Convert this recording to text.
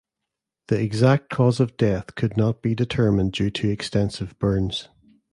The exact cause of death could not be determined due to extensive burns.